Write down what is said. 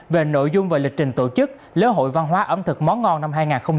về nội dung và lịch trình tổ chức lễ hội văn hóa ẩm thực món ngon năm hai nghìn hai mươi bốn